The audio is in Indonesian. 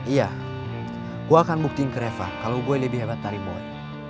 iya gue akan buktiin ke reva kalo gue lebih hebat dari boy